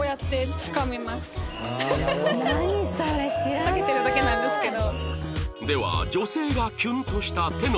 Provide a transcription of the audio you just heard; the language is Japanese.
ふざけてるだけなんですけど。